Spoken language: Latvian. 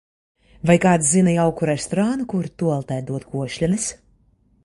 Vai kāds zina jauku restorānu kur, tualetē dod košļenes?